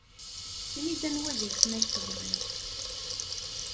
Ini-d anwa deg-sen ay tebɣiḍ.